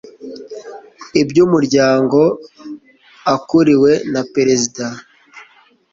iby umuryango akuriwe na perezida